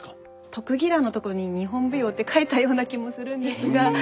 特技欄のとこに「日本舞踊」って書いたような気もするんですが。